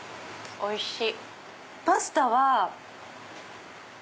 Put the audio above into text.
おいしい！